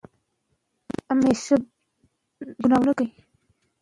د پښتنو لښکر په ډېر نظم سره مخکې تلو.